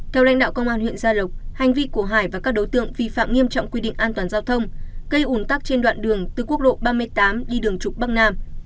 theo lãnh đạo công an huyện gia lộc hành vi của hải và các đối tượng vi phạm nghiêm trọng quy định an toàn giao thông gây ủn tắc trên đoạn đường từ quốc lộ ba mươi tám đi đường trục bắc nam